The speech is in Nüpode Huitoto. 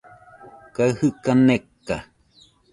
kaɨ jɨka neka